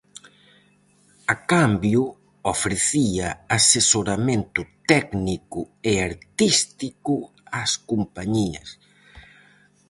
A cambio ofrecía asesoramento técnico e artístico ás compañías.